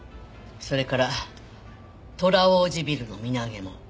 それから虎大路ビルの身投げも。